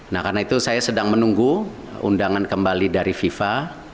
nah karena itu saya sedang menunggu undangan kembali dari fifa